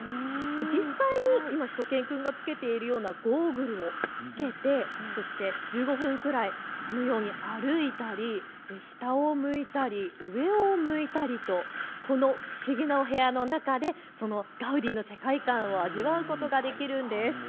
実際に今しゅと犬くんが着けているようなゴーグルを着けて、１５分くらいこのように歩いたり下を向いたり上を向いたりとこの不思議なお部屋の中でガウディの世界観を味わうことができるんです。